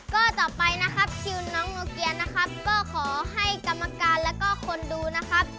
ก็ต่อไปก็ขอให้กรรมการแล้วกับคนดูนะครับ